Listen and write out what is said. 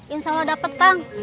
insya allah dapet kang